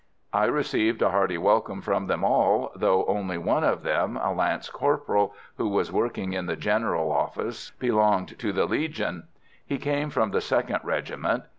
I received a hearty welcome from them all, though only one of them, a lance corporal, who was working in the general office, belonged to the Legion: he came from the 2nd Regiment.